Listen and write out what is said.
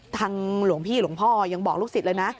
หลวงพี่หลวงพ่อยังบอกลูกศิษย์เลยนะ